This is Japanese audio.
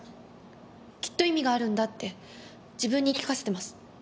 きっと意味があるんだって自分に言い聞かせてます。